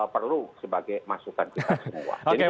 perlu sebagai masukan kita semua